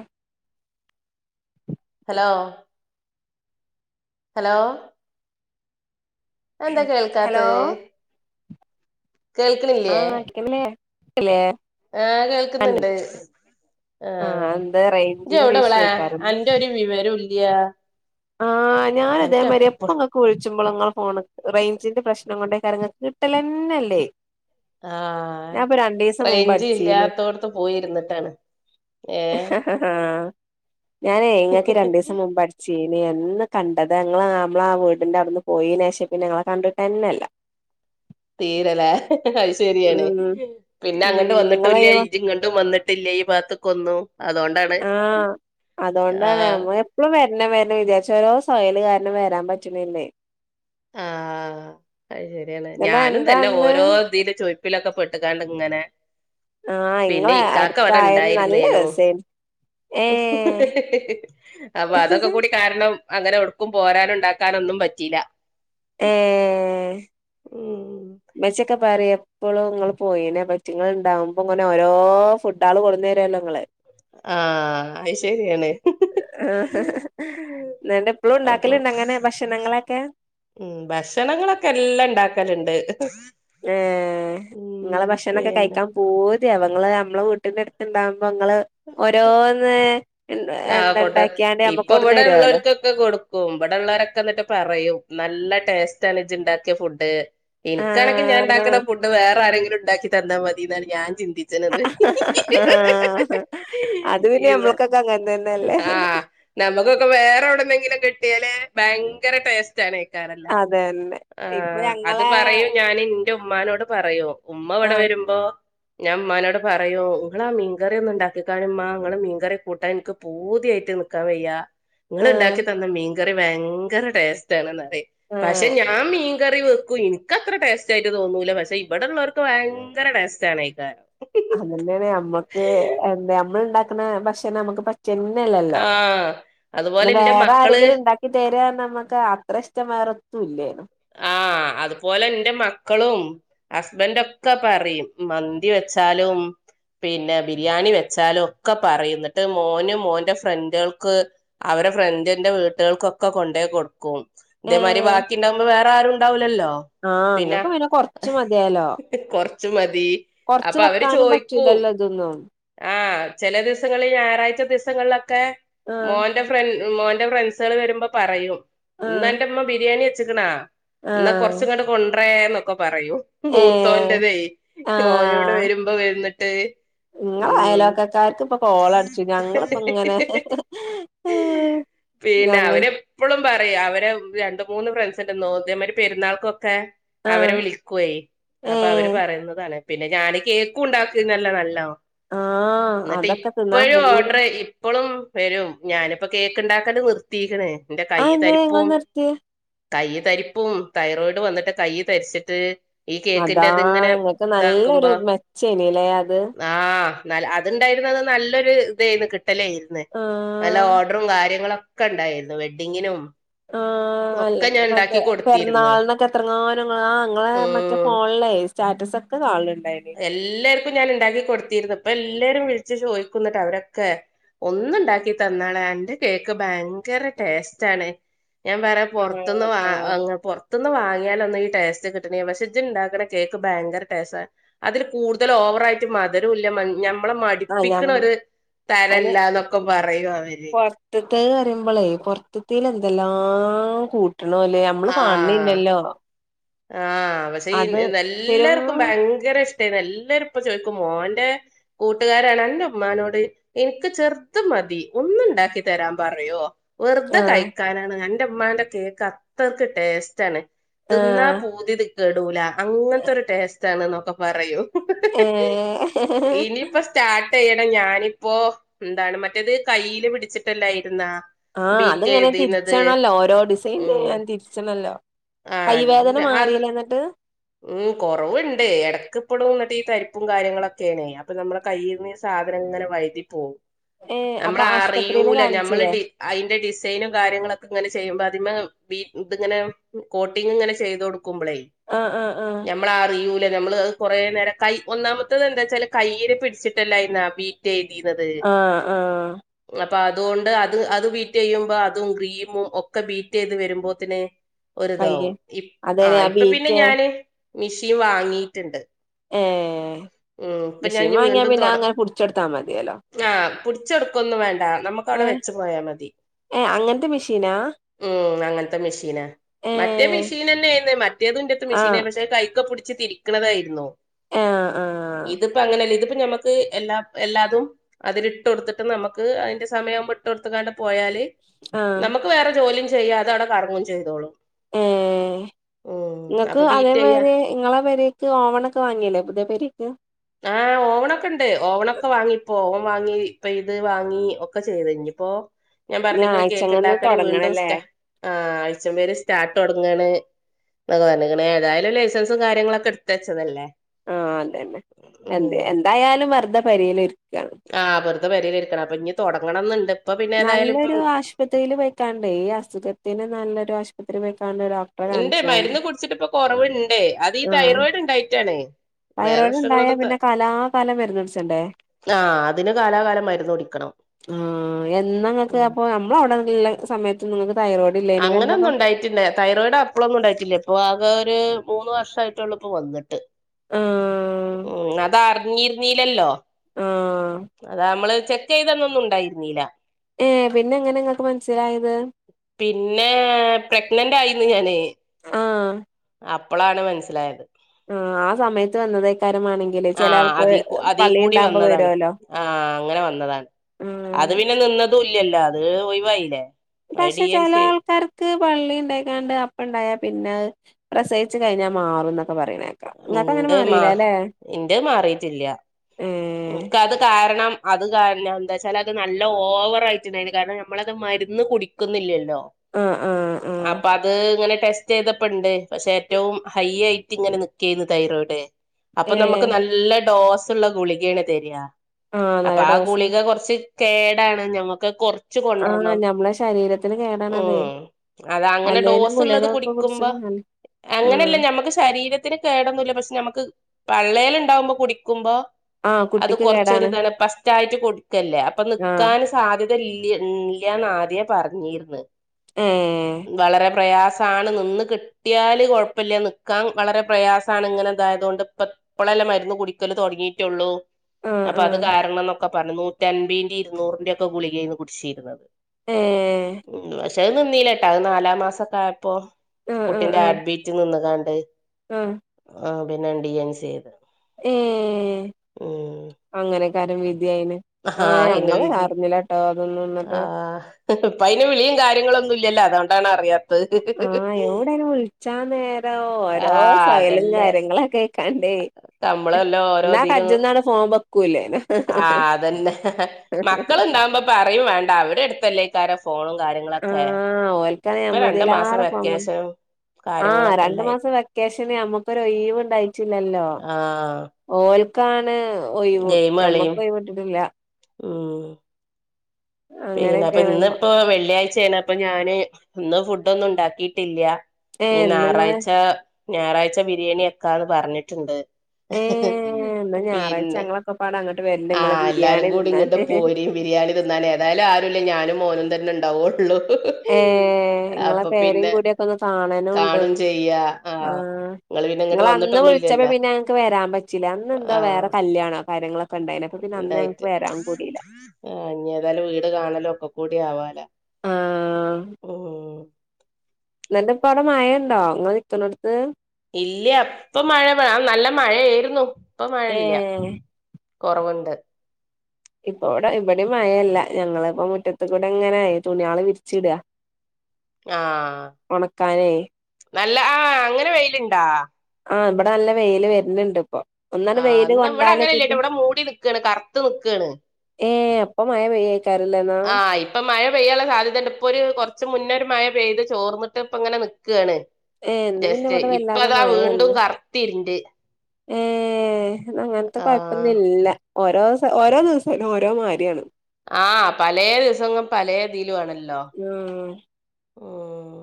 ആഹ് hello hello അതെന്താ hello കേൾക്കാത്തത് കേൾക്കണില്ലേ ആഹ് [unintelligible] ക്ക്ല്ലേ ആഹ് കേൾക്ക്ന്ന്ണ്ട് ആഹ് എന്താ റേഞ്ചിന്റെ ഇഷ്യൂ ഇജ്ജെവടെവളെ ആയിക്കാരം അന്റൊര് വിവരുല്ല ആഹ് ഞാനതേമാതിരി എപ്പ നോ ക്ക് വിൾച്ചുമ്പളും ഇങ്ങളെ ഫോണ് റെയ്ഞ്ചിന്റെ പ്രശ്നം കൊണ്ടേക്കാരം ഇങ്ങക്ക് കിട്ടലെന്നല്ലേ ആഹ് മുമ്പ് അടിച്ചീനി റെയ്ഞ്ചില്ലാത്തോട്ത്ത് പോയിര്ന്ന്ട്ടാണ് ഏ ഹ ഹാ ഞാനേ ങ്ങക്ക് രണ്ടീസം മുമ്പ് അട് ചീനി എന്ന് കണ്ടത ങ്ങള് നമ്മളാ വീടിന്റെ അവ്ട്ന്ന് പോയിനേഷം പിന്നെങ്ങളെ കണ്ടിട്ടെന്നെല്ല തീരലെ അത് ശെരിയാണ് ഉം പിന്നെ ഉം അങ്ങട്ട് ഇങ്ങളെ വെന്ന്ട്ടുംല്ല ഈ ഇജ്ജ്‌ ഇങ്ങട്ടും വെന്ന്ട്ട് ട്ടില്ലീ ഭാത്ത്ക്കൊന്നും അതോ ആഹ് അതോണ്ടാണ് ഞമ്മളെ പ്പളും വെരണം വെരണം വിചാരിച്ചും ഓരോ സൊയല് കാരണം വെരാൻ പറ്റ്ണില്ലേ ആഹ് അത് ശെരിയാണ് ഇന്നട്ട് ഞാനും എന്താ തെന്നെ ഇന്ന് ഓരോ ഇതില് ചുയ്പ്പിലൊക്കെ പെട്ട്ങ്ങാണ്ട് ങ്ങനെ ആഹ് പിന്നെ ഇങ്ങളെ ഇക്കാക്ക വടെ അടുത്തായത് നല്ല ഇണ്ടാര്ന്നേനു രസേനു ഏഹ് അപ്പൊ അതൊക്കൊ കൂടി കാരണം അങ്ങനെ എവ്ട്ക്കും പോരാനും ണ്ടാക്കാനൊന്നും പറ്റില്ല ഏഹ് ഉം മ്മച്ചിയൊക്കെ പറിയും ഇപ്പളും ഇങ്ങള് പോയേനെ പറ്റി ങ്ങള്ണ്ടാവുമ്പോ ങ്ങനെ ഓരോ ഫുഡാള് കൊട്ന്നെരുല്ലോ ങ്ങള് ആഹ് അത് ശെരിയാണ് ന്നേണ്ടെ ഇപ്പളും ണ്ടാക്കല്ണ്ടോ അങ്ങനെ ഭക്ഷണങ്ങളൊക്കെ ഉം ഭക്ഷണങ്ങളൊക്കെ എല്ലം ണ്ടാക്കല്ണ്ട് ഏ ഇങ്ങളെ ഭക്ഷണൊക്കെ പിന്നെ കഴിക്കാൻ പൂത്യാവ ങ്ങള് നമ്മളെ വീട്ടിന്റെട് ത്ത്ണ്ടാവുമ്പൊ ങ്ങള് ഒരോന്ന് എന്ത ണ്ടാക്ക്യാണ്ട് നമ്മക്കൊട്ന്നെരോലൊ ക്ക് കൊട്ക്കും ഇവടെള്ളോരൊക്കെ ന്ന്ട്ട് പറയും നല്ല ടേസ്റ്റാണ് ജ്ജ്‌ ണ്ടാക്യ ഫുഡ് ഇൻക്കാണെങ്കി ഞാൻ ആഹ് ണ്ടാക്ക്ണ ഫുഡ് വേറാരെങ്കിലും ണ്ടാക്കി തന്നാ മതിന്നാണ് ഞാൻ ചിന്തി ആ അത് പിന്നെ ഇവ നമ്മൾക്കൊക്കെങ്ങൻതെൻ ആഹ് നമ്മ്ക്കൊക്കെ വേറെവ്ടെന്നെങ്കിലും കിട്ട്യാല് ഭയങ്കര ടേസ് സ്റ്റേക്കാരം ല്ലെ അതന്നെ ആ ഇപ്പൊ അത് ഞങ്ങളെ പറയും ഞാന് ൻ ന്റുമ്മാനോട് പറയും ഉമ്മ വടെ ആഹ് വെരുമ്പൊ ഞാൻ മ്മാനോട് പറയും ഇങ്ങളാ മീൻകറി ഒന്ന് ണ്ടാക്കിക്കാണിമ്മാ ഇങ്ങളെ മീൻകറി കൂട്ടാൻ ഇൻക്ക് പൂതിയായിട്ട് നിക്കാൻ വെയ്യാ ഇങ്ങള് ആഹ് ണ്ടാക്കി തെന്ന മീൻകറി ഭയങ്കര ടേസ്റ്റാണ് ന്ന് പ റയും പക്ഷെ ആഹ് ഞാൻ മീ ൻങ്ങറി വെക്കും ഇൻക്കത്ര ടേസ്റ്റായിട്ട് തോന്നൂല പക്ഷെ ഇവടെ ള്ളോര്ക്ക് ഭയങ്കര ടേസ്റ്റാണേക്കാരം അതെന്നെണ് ഞമ്മക്ക് എന്താ ഞമ്മള്ണ്ടാക്ക്ണ ഭക്ഷണം ഞമ്മക്ക് പറ്റെൻ ന്നെല്ലല്ലോ ആഹ് അതുപോലെ ന്ന എന്റെ മക്കള് വേറാരെങ്കിലും ണ്ടാ ക്കി തെരാന്ന് ഞമ്മക്ക് അത്ര ഇഷ്ടം വേറൊന്നുല്ലേനും ആഹ് അതുപോലെ ഇന്റെ മക്കളും ഹസ്ബന്റൊക്കെ പറയും മന്തി വെച്ചാലും പിന്നെ ബിരിയാണി വെച്ചാലും ഒക്കെ പറയും ന്ന്ട്ട് മോന് മോന്റെ ഫ്രണ്ടാൾക്ക് അവരെ ഫ്രണ്ടിന്റെ വീട്ട്കൾക്കൊക്കെ കൊണ്ടോയി കൊട്ക്കും ഇതേമാതിരി ഏഹ് ബാക്കിണ്ടാ വേറെ ആരു ഉണ്ടാവലല്ലോ ആഹ് പിന്നെ ഇങ്ങക്ക് കൊറച്ച് മതിയായല്ലോ കൊറച് മതി കൊറച്ച് അപ്പൊ അവര് വെക്കാനും ചോയിക്കും പറ്റൂലല്ലോ ഇതൊന്നും ആഹ് ചെല ദിവസങ്ങളി ഞായറാഴ്ച ദിവസങ്ങളിലൊക്കെ മോ ആഹ് ഫ്രൻ മോന്റെ ഫ്രണ്ട്സൾ വരുമ്പോ പറയും ഇന്ന് ആഹ് എന്റെമ്മ ബിരിയാണി വച്ചക്കണാ എന്നാ ആഹ് കൊറച്ചും ഇങ്ങട്ട കൊണ്ട്രാ എന്നൊക്കെ പറയൂ ഏഹ് മൂത്തോന്റതേ ഓനൂടെ വരുമ്പോ വരുന്നിട്ട് നിങ്ങ അയലോക്കക്കാർക്ക് ഇപ്പൊ കോള അടിച്ചു ഞങ്ങിപ്പ ഇങ്ങനെ പിന്നെ ഞങ്ങ അവരെ എപ്പോഴും പറയാ അവര് രണ്ട മൂന്ന് ഫ്രണ്ട്സ് ഉണ്ട നോതേമാര് പെരുന്നാൾക്കക്കെ അവരെ ആഹ് വിളിക്കുവായി അപ്പൊ അവര് ഏഹ് പറയുന്നതണെ പിന്നെ ഞാന് കേക്കും ഉണ്ടാക്കുന്നല്ല നല്ലോ ആഹ് എന്നിട്ട് അതൊക്കെ തിന്നാൻ പൂ ഇപ്പോഴും ഓർഡർ ഇപ്പോളും വരും ഞാനിപ്പോ കേക്ക് ഉണ്ടാക്കല നിർ തീക്കണേ എന്ത ആഹ് എന്താ ങ്ങൾ നിർത്തിയ കൈ തരിപ്പും തൈറോയിഡ് വന്നിട്ട് കൈ തരിച്ചിട്ട് ഈ കേക്കിന്റെ അതാ അത് ഇങ്ങനെ നിങ്ങക്ക് നല്ലൊരു ഇതാക്കുമ്പോ മെച്ചേനല്ലേ അത് ആഹ് നല്ല അതുണ്ടായിരുന്നു അത് നല്ലൊരു ഇതായിരുന്നു കിട്ടലായിരുന്നു ആഹ് നല്ല ഓർഡറും കാര്യങ്ങളൊക്കെ ഉണ്ടായിരുന്നു വെഡ്ഡിങ്ങിനും ആഹ് ആഹ് അല്ല ഒക്കെ ഞാൻ മറ്റേ ഉണ്ടാക്കി കൊടുത്തിരുന്നു പെറന്നാളന്നൊക്കെ എത്രങ്ങാനങ്ങ ആ അങ്ങെ മറ്റേ ഉം ഫോണില- ചാറ്റസക്കെ കാണലുണ്ടായിരുന്നു എല്ലാവർക്കും ഞാൻ ഇണ്ടാക്കി കൊടുത്തിന്ന് ഇപ്പൊ എല്ലാവരും വിളിച്ചു ചോദിക്കുന്നിട്ട് അവരൊക്കെ ഒന്നുണ്ടാക്കി തന്നാളെ എന്റെ കേക്ക് ഭയങ്കര ടേസ്റ്റ് ആണ് ഞാൻ വേറെ ആഹ് പുറത്തുനിന്ന് ആഹ് വാങ്ങ മത്തുന്ന് വാങ്ങിയാ ഒന്ന് ഈ ടേസ്റ്റ് കിട്ടണില്ല പക്ഷെ ഇജിണ്ടാക്കണ കേക്ക് ഭയങ്കര ടേസ്റ്റ്ണ് അതിൽ കൂടുതൽ ഓവറയിട്ട് മധരുല്ല ഞാൻ നമ്മള ആഹ് ഞം മടിപ്പിക്കണ ഒരു തരല്ല എന്നൊക്കെ പറയും അവര് ർതുതേ പറയുമ്പോളേ പൊറത്ത എന്തെല്ലാം കൂട്ടണല്ലേ നമ്മള് ആഹ് കാണില്ലല്ലോ ആഹ് പക്ഷേ ഈ പെരും നല്ലർക്കും ഭയങ്കര ഇഷ്ടമായി നല്ല ഇപ്പ ചോയ്ക്കും മോന്റെ കൂട്ടുകാരാണ് അൻ്റെ ഉമ്മാനോട് എനിക്ക് ചെർത് മതി ഒന്നുണ്ടാക്കി തരാൻ പറയോ വെറുതെ ആഹ് കയിക്കാനാണ് ന്റെമ്മാന്റെ കേക്ക് അത്രയ്ക്ക് ടേസ്റ്റാണ് തിന്നാ ആഹ് പുതിതി കേടൂല അങ്ങനത്തെൊ ഒരു ടേസ്റ്റ് ആണ് എന്നൊക്കെ പറയും ഏഹ് സ്റ്റാട്ട്യ്യണം ഞാനിപ്പോ എന്താണ് മറ്റേത് കയ്യില് പിടിച്ചിട്ടല്ലായിരുന്നാ ആഹ് ബീറ്റ് അത്ങ്ങനെ എഴുതിന്നത് തിരിച്ചണല്ലോ ഓരോ ഡിസൈൻ ഉം ചെയഞാൻ തിരിച്ചണല്ലോ കൈവേദന ആഹ് ങ്ങള് അത് മാറിയല്ലേന്നിട്ട് ഉം കുറവുണ്ട് ഇടക്ക്പ്പെടും എന്നിട്ട് ഈ തരിപ്പും കാര്യങ്ങളൊക്കെയാണ് അപ്പൊ നമ്മള് കയ്യിന്ന് സാധനം ഇങ്ങനെ വൈുതി പോവും ഏഹ് അപ്പൊ ആശുപത്രിയില് നമ്മളറിയൂല നമ്മളി കാണിച്ചില്ലേ ടി അയിന്റെ ഡിസൈനും കാര്യങ്ങളൊക്കെ ഇങ്ങനെ ചെയ്യുമ്പോ ആതിമീ ഇത്ങ്ങനെ കോട്ടിങ്ങ് ഇങ്ങനെ ചെയ്തൊടുക്കും ക്കുംബളൈ ആഹ് ആഹ് ആഹ് ഞമ്മള അറിയൂല നമ്മള് അത് കൊറേ നേരം കൈ ഒന്നാമത്തത് എന്താച്ചാല് കൈരെ പിടിച്ചിട്ടല്ലായിരുന്ന ബി റ്റെ എഴുതിന്നത് ആഹ് ആഹ് അപ്പ അതുകൊണ്ട് അത് അത് ബീറ്റ്യ്യുമ്പോ അതും ക്രീമും ഒക്കെ ബീറ്റ്യ്ത് വരുമ്പോത്തിനെ ഒരിതാവും കയ്യ് ഇ അതേനെ ആഹ് ആ ഇപ്പ പിന്നെ ബീറ്റ് ഞാന് മിഷീൻ വാങ്ങിട്ടിണ്ട്. ഏഹ് മിഷീൻ വാങ്ങിയാ വീണ്ടും പിന്നെ തൊട അങ്ങനെ പുടിച്ചെടുത്താ മതിയല്ലോ ആഹ് പുടിച്ചെടുക്കൊന്നും വേണ്ട നമുക്ക് അവിടെ ഏഹ് വെച്ചു പോയാ മതി ഏഹ് അങ്ങനത്തെ മെഷീനാ ഉം അങ്ങൻത്തെ മിഷീന മറ്റേ ഏഹ് മിഷീന്നെന്നെയന്ന് മറ്റേതന്റെത്തെ മിഷീനെ ആഹ് കൈക്ക പിടിച്ച് തിരിക്കണതായിരുന്നു ആഹ് ആഹ് ഇതിപ്പോ അങ്ങനെ അല്ല ഇതിപ്പ ഞാമ്മ ഇത് എല്ല എല്ലാതും അതിൽ ഇട്ട് കൊടുത്തിട്ട് നമ്മക്ക് അയിന്റെ സമയംമ്പ് ഇട്ട് കൊടുത്ത് കാണ്ട് പോയാല് ആഹ് നമ്മക്ക് വേറെ ജോലിം ചെയ്യ അതവിടെ കറങ്ങും ചെയ്തോളും ഏഹ് ഉം ഇങ്ങ ക്ക് അപ്പൊ ബീറ്റ് ചെയ്യാ അതേപേരെ ഇങ്ങളെ പേരേക്ക് ഓവൺ ഒക്കെ വാങ്ങില്ലേ പുതിയ പേരേക്ക് ആഹ് ഓവണൊക്കെ ഉണ്ട് ഓവണൊക്കെ വാങ്ങി ഫോൺ വാങ്ങി ഇപ്പൊ ഇത് വാങ്ങി ഒക്കെ ചെയ്തഴഞ് ഇനിപ്പോ ഞാൻ ഇനി പറഞ്ഞക്കണ കേക്ക് ആഴ്ചങ്ങന്ന് ഇണ്ടാക്കാൽ വീണ്ടും തൊടങ്ങണല്ലേ സ്റ്റാ ആഹ് ആഴ്ച പേര് സ്റ്റാർട്ട്ടൊങ്ങണ് ഒക്കെ പറഞ് അങ്ങനെ ഏതായാലും ലൈസൻസും കാര്യങ്ങളൊക്കെ എടുത്തച്ചതല്ലേ ആഹ് അതെന്നെ എന്ത് എന്തായാലും വേർത പേരേല് ഇരിക്ക ആഹ് വെറുത പേരേൽ ഇരിക്കണം അപ്പൊ ഇനി തുടങ്ങണംന്നുണ്ട് ഇപ്പ പിന്നെ ഏതായാലും ഇപ്പം ആശുപത്രിയിൽ വെക്കാണ്ട് ഈ അസുഖത്തിന് നല്ലൊരു ആശുപത്രി വെക്കാണ്ട് ഒരാ ഇണ്ട് മരുന്ന് കുടിച്ചിട്ട് ഇപ്പൊ കൊറവിണ്ടെ അതീ തൈറോയിഡ് ഇണ്ടായിറ്റാണേ തൈറോയിട് ഇണ്ടായ പിന്നെ കലാകാലം മരുന്ന്ടിച്ചണ്ടേ ആഹ് അതിന് കാലാകാലം മരുന്ന് കുടിക്കണം ആഹ് എന്നാങ്ങക്ക് ഉം അപ്പൊ നമ്മൾ അവിടെ ഇള്ള സമയത്ത് നിന്നക്ക് തൈയിറോയ്ട് അങ്ങനൊന്നും ഉണ്ടായി പിന്നെ തൈറോയിഡ് അപ്പ്ളൊന്നും ഉണ്ടായിട്ടില്ലേ ഇപ്പൊ ആകെ ഒര് മൂന്ന് വർഷയിട്ടുള്ളൂ ഇപ്പോ വന്നിട്ട് ആഹ് ഉം അതറിഞ്ഞിരിന്നീലല്ലോ ആഹ് അതമ്മള് ചെക്ക് ചെയ്തന്നൊന്നും ഉണ്ടായിരുന്നില്ല ഏഹ് പിന്നെ എങ്ങനെ ഇങ്ങക്ക് മനസ്സിലായത് പിന്നെ പ്രഗ്നന്റ് ആയിന്ന് ഞാന് ആഹ് അപ്പളാണ് മനസ്സിലായത് ആഹ് ആ സമയത്ത് വന്നതേക്കാര്യമാണെങ്കില് ചില ആഹ് ആൾക്ക് അതി അതീ പള്ളി കൂടി ഇണ്ടാമ്പോ വന്നതാണ് വരുവല്ലോ ആഹ് അങ്ങനെ വന്നതാണ് ആഹ് അത് പിന്നെ നിന്നതും ഇല്ലല്ലോ അത് ഒയിവായില്ലേ പക്ഷെ ചെല ആൾ കാർക്ക് പള്ളി ഇണ്ടാക്കാണ്ട് അപ്പ ഇണ്ടായ പിന്നെ അത് പ്രസയിച്ചു കഴിഞ്ഞാൽ മാറും എന്നൊക്കെ പറയണ് നിങ്ങക്ക് അങ്ങനെ ഉണ്ട് മാ മാറില അല്ലേ ഉം ക്കത് കാരണം അത് കാരണം എന്താ വച്ചാൽ അത് നല്ല ഓവറായിട്ടുണ്ടായിരുന്നു കാരണം നമ്മളത് മരുന്ന് കുടിക്കുന്നില്ലല്ലോ ആഹ് ആഹ് ആഹ് അപ്പൊ അത് ഇങ്ങനെ ടെസ്റ്റ് ചെയ്തപ്പ ഉണ്ട് പക്ഷെ ഏറ്റവും ഹൈ ആയിട്ട് ഇങ്ങനെ നിക്കയിരുന്ന് തൈറോയിഡ് അപ്പൊ ഏഹ് നമുക്ക് നല്ല ഡോസുള്ള ഗുളികയാണ് തരിക ആഹ് അപ്പൊ നല്ല ആ ഡോസ് ഗുളിക കുറച്ച് കേടാണ് ഞമ്മുക്ക് കൊ ച്ച് ആഹ് കൊണ്ടറണം ഞമ്മളെ ശരീരത്തിന് കേടാണതേ ഉം അതങ്ങനെ അല്ലേലും ഡോസ് ഉള്ളത് ഗുളികക്കെ കുടിക്കുമ്പ കുടിച്ചണം നല്ല അങ്ങനെയല്ല ആഹ് ഞമ്മക്ക് ശരീരത്തിന് കേടൊന്നു ഇല്ല പക്ഷെ നമ്മക്ക് പള്ളേൽ ഉണ്ടാവുമ്പോ കുടിക്കുമ്പോ ആഹ് അത് കുട്ടിക്ക് കൊറച്ചൊരു കേടാണ് ഇതാണ് ഫസ്റ്റായിട്ട് കൊടുക്കല്ലേ അപ്പൊ ആഹ് നിക്കാന് സാധ്യത ഇല്ല്യാ ഇല്ല്യാന്ന് ആദ്യേ പറഞ്ഞീര്ന്ന് ഏഹ് വളരെ പ്രയാസാണ് നിന്ന് കിട് ട്ടിയാല് കൊഴപ്പയില്ലാ നിക്കാൻ വളരെ പ്രയാസാണ് ഇങ്ങനെതായതുകൊണ്ട് ഇപ്പ ഇപ്പളല്ലേ മരുന്ന് കുടിക്കല് തൊടങ്ങിയിറ്റുള്ളൂ ആഹ് അപ്പൊ അത് ആഹ് കാരണന്നൊക്കെ പറഞ്ഞു നൂറ്റൻമ്പിയിന്റെ ഇരുന്നൂറിന്റെയൊക്കെ ഗുളിഗേരുന്നു കുടിച്ചീരുന്നത് ഏഹ് ഉം പക്ഷെ അത് നിന്നീലാട്ടാ അത് നാലാം മാസൊക്കെ ആയപ്പോ ആഹ് കുട്ടിന്റെ ഹാഡ്ബീറ്റ് നിന്ന്ങ്ങാണ്ട് ഉം ആഹ് പിന്നെ ഡി എൻ സി ചെയ്ത് ഏഹ് ഉം അങ്ങനെക്കാരം വിധി ആയിന് ആ ഏഹ് അയിന്റെ ഞങ്ങള് വിധി അറിഞ്ഞില്ലാട്ടോ ഇതൊന്നും ഇന്നട്ട് ആഹ് ഇപ്പൊ അയിന് വിളിയും കാര്യങ്ങളൊന്നും ഇല്ലല്ലോ അതുകൊണ്ടാണ് അറിയാത് ആഹ് എവിടയിന് വിളിച്ചാ നേരം ഓരോ ആഹ് സഹലും അതല്ലേ കാര്യങ്ങളൊക്കെ ആയി ക്കാണ്ടേ നമ്മളല്ലോ ഇന്നാ ഓരോതിലും കജ്ന്നാണ് ഫോ വെക്കൂല്ലേനും ആഹ് അതന്നെ മക്കള്ണ്ടാവുമ്പോ പറയും വേണ്ടാ അവരെടുത്തല്ലേക്കാരം ഫോണും കാര്യ ആഹ് ഓൽത്താണ് ഞമ്മളത് മാസം എല്ലാറെ ഫോ വന്നാ വെക്കേഷനും ആഹ് കാര്യങ്ങളൊക്കെ രണ്ടു മാസം അല്ലായിരുന്നു വെക്കേഷന് നമ്മക്ക് ഒരൊയിവ് ഇണ്ടായിറ്റൂല്ലല്ലോ ആഹ് ഓൽക്കാണ് ഒയിവ് ഗെയിം ഞമ്മക്ക് കളിയും ഒയിവ് കിട്ടീട്ടില്ലാ ഉം പിന്നെ അപ്പൊ അങ്ങനെയൊക്കെയാണ് ഇന്നിപ്പോ വെള്ളിയാഴ്‌ച്ചയാണ് അപ്പൊ ഞാന് ഇന്ന് ഫുഡൊന്നും ഇണ്ടാക്കീട്ടില്ലാ ഇനീ ഏഹ് ഇന്ന്ങ്ങള് ഞായറാഴ്ച ഞായറാഴ്ച്ച ബിരിയാണി ആക്കാന്ന് പറഞ്ഞിട്ട്ണ്ട് ഏഹ് ഇന്ന് ഞായറാഴ്ച പിന്നെ ഞങ്ങളൊക്കെപ്പാടെ അങ്ങട്ട് വരണ്ട് ഇങ്ങളെ ആഹ് എല്ലാരും ബിരിയാണി കൂടി ഇങ്ങട്ട് തിന്നാന് പോരി ബിരിയാണി തിന്നാന് ഏതായാലും ആരൂല്ലാ ഞാനും മോനും തന്നെ ഇണ്ടാവോള്ളൂ ഏഹ് ഇങ്ങളെ പേരേം കൂടിയൊക്കെ ഒന്ന് കാണാനും ഇണ്ട് കാണും ചെയ്യാ ആഹ് നിങ്ങള് പിന്നെ ഇങ്ങോട്ട് ഇങ്ങളന്ന് വന്നിട്ടൊന്നും വിളിച്ചപ്പോ ഇല്ലല്ലോ പിന്നെ ഞങ്ങക്ക് വെരാൻ പറ്റീല്ലാ അന്ന് എന്താ ആഹ് വേറെ കല്യാണോ കാര്യങ്ങളെക് ക്കെണ്ടേയിന് അപ്പ പിന്നെ അന്ന് ഞങ്ങക്ക് ഉണ്ടായിട്ട് വെരാൻ കൂടീല്ലാ ആഹ് ഇനി ഏതായാലും വീട് കാണലു ഒക്കെ കൂടി ആവാലോ ആഹ് ഉം ഇന്നട്ട് ഇപ്പ അവിടെ മഴണ്ടോ ഇങ്ങള് നിക്ക്ണെട്ത്ത് ഇല്ല്യാ ഇപ്പം മഴ വേ നല്ല മഴയായിരുന്നു ഇപ്പം മഴയില്ലാ ഏഹ് കൊറവ്ണ്ട് ഇപ്പോ ഇവിടെ ഇവിടേം മഴയില്ലാ ഞങ്ങളിപ്പോ മുറ്റത്ത് കൂടെ ഇങ്ങനെ തുണിയേള് വിരിച്ചിടാ ആഹ് ഒണക്കാനേ നല്ല ആഹ് അങ്ങനെ വെയില്ണ്ടാ? ആഹ് ഇബടെ നല്ല വെയില് വെര്ന്ന്ണ്ട്പ്പം ആഹ് ഇന്നാ ഇവിടെ അങ്ങനെ ഇല്ലട്ടാ ഇവിടെ മൂടി നിക്കാണ് കറ്ത്ത് നിക്കാണ് ഏഹ് അപ്പ മയ പെയ്യായിക്കാരംല്ലേന്നാ ഇപ്പം മയ പെയ്യാനുള്ള സാധ്യതയ്ണ്ട് ഇപ്പൊ ഒരു കൊറച്ച് മുന്നേ ഒരു മയ പെയ്ത് ചോർന്നിട്ട് ഇപ്പ ഇങ്ങനെ നിക്കാണ് ഏഹ് ഇന്ന് പിന്നെ ജസ്റ്റ് ഇവിടെ ഇപ്പ വല്ലാതെ അതാ വീണ്ടും മഴയല്ല കറ്ത്തിരിണ്ട് ഏഹ് ഇന്നാ അങ്ങൻത്തെ ആഹ് കൊയപ്പൊന്നില്ലാ ഓരോസ് ഓരോ ദിവസോം ഓരോ മാരിയാണ് ആഹ് പലേ ദിവസങ്ങും പലേ ഇതിലു ആണല്ലോ ഉം ഉം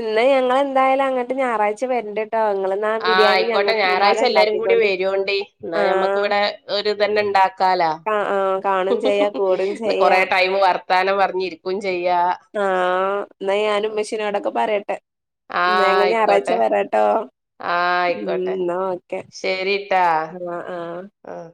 ഇന്നാ ഞങ്ങളെന്തായാലും അങ്ങട്ട് ഞായറാഴ്ച വെര്ണ്ട്ട്ടോ ഇങ്ങളെ ആഹ് ആയിക്കോട്ടെ ഞായറാഴ്ച എല്ലാരും കൂടി വരോണ്ടി ന്നാ നമ്മക്ക് ആഹ് ഇവിടെ ഒരു ഇത്തന്നെ ഇണ്ടാക്കാലാ കാ ആഹ് കാണും ചെയ്യാ കൂടും ന്ന് ചെയ്യാ. കൊറെ ടൈം വർത്താനം പറഞ്ഞിരിക്കും ചെയ്യാ ആഹ് ന്നാ ഞാൻ ഇമ്മഷിനോടൊക്കെ പറയട്ടെ ആ ഞങ്ങ ഞായറാഴ്ച ആയിക്കോട്ടെ വെരട്ടോ ആ ഉം ആയിക്കോട്ടെ ന്നാ ഓക്കെ ആഹ് ആഹ്